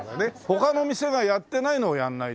他の店がやってないのをやんないとね。